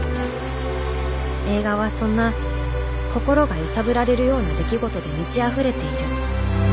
映画はそんな心が揺さぶられるような出来事で満ちあふれている。